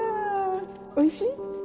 おいしい？